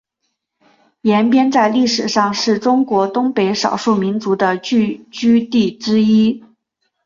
延边在历史上是中国东北少数民族的聚居地之一。